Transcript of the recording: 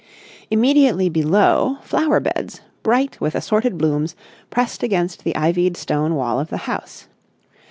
Immediately below, flower beds, bright with assorted blooms, pressed against the ivied stone wall of the house.